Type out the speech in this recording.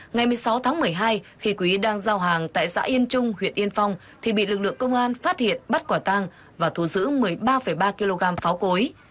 ngày một mươi sáu tháng một mươi hai khi quý đang giao hàng tại xã yên trung huyện yên phong thì bị lực lượng công an phát hiện bắt quả tang và thu giữ một mươi ba ba kg pháo cối